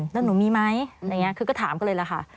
๕๐๐๐๐แล้วหนูมีไหมคือก็ถามกันเลยแล้วค่ะ